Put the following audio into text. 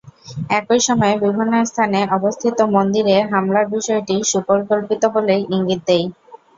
একই সময়ে বিভিন্ন স্থানে অবস্থিত মন্দিরে হামলার বিষয়টি সুপরিকল্পিত বলেই ইঙ্গিত দেয়।